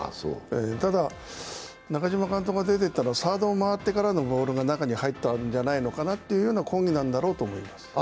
ただ、中嶋監督が出ていったのは、サードを回ってから中に入ったんじゃないのかなという抗議なんだろうと思います。